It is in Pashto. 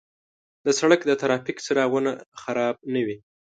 د سړک د ترافیک څراغونه خراب نه وي.